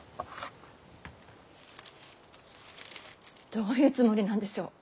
どういうつもりなんでしょう。